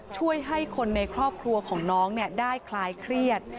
ช่วยให้คนในครอบครัวของน้องได้คลายเครียด